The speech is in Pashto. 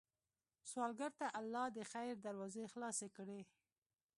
سوالګر ته الله د خیر دروازې خلاصې کړې